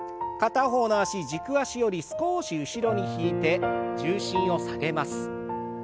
片方の脚軸足より少し後ろに引いて重心を下げます。